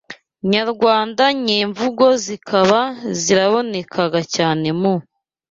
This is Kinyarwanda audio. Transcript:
nyarwanda nyemvugo zikaba zarabonekaga cyane mu